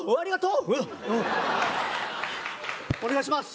うんお願いします。